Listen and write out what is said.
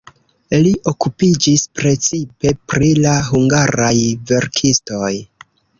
Li okupiĝis precipe pri la hungaraj verkistoj.